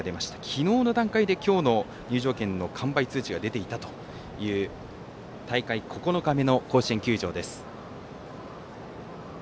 昨日の段階で今日の完売通知が出ていたという大会９日目の甲子園球場です。